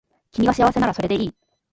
君が幸せならそれでいい